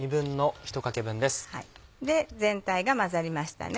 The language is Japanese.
全体が混ざりましたね。